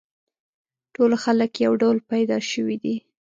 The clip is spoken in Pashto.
ټول خلک یو ډول پیدا شوي دي.